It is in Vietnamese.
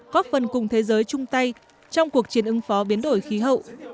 góp phần cùng thế giới chung tay trong cuộc chiến ứng phó biến đổi khí hậu